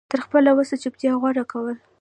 تر خپله وسه چوپتيا غوره کول